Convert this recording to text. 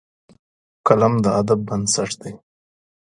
قلم د ادب بنسټ دی